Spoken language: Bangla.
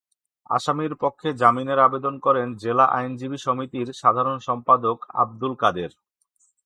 আসামির পক্ষে জামিনের আবেদন করেন জেলা আইনজীবী সমিতির সাধারণ সম্পাদক আবদুল কাদের।